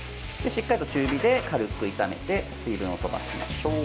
しっかりと中火で軽く炒めて水分をとばしましょう。